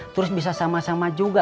terus bisa sama sama juga